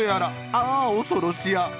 ああおそろしや。